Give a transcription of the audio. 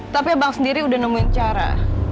tapi abang sendiri udah nemuin cara